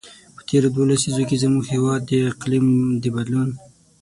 په تېرو دوو لسیزو کې، زموږ هېواد د اقلیم د بدلون.